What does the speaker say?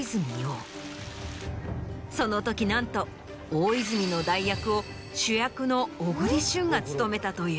そのときなんと大泉の代役を主役の小栗旬が務めたという。